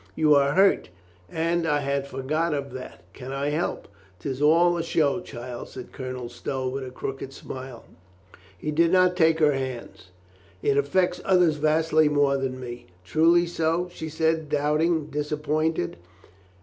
"You are hurt. And I had forgot of that. Can I help ?"" 'Tis all a show, child," said Colonel Stow with a crooked smile. He did not take her hands. "It affects others vastly more than me." "Truly so?" she said, doubting, disappointed.